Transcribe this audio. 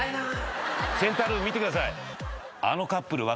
センタールーム見てください。